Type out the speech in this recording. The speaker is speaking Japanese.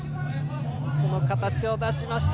その形を出しました。